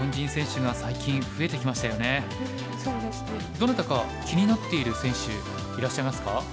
どなたか気になっている選手いらっしゃいますか？